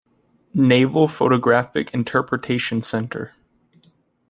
Naval Photographic Interpretation Center.